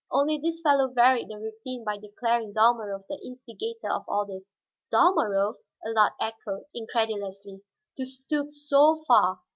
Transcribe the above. Only this fellow varied the routine by declaring Dalmorov the instigator of all this." "Dalmorov!" Allard echoed incredulously. "To stoop so far!